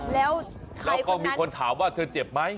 แล้วก็มีคนถามว่าเธอเจ็บไหม